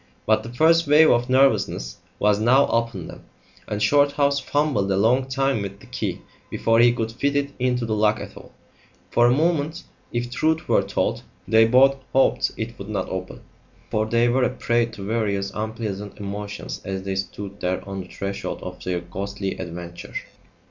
But the first wave of nervousness was now upon them, and Shorthouse fumbled a long time with the key before he could fit it into the lock at all. For a moment, if truth were told, they both hoped it would not open, for they were a prey to various unpleasant emotions as they stood there on the threshold of their ghostly adventure.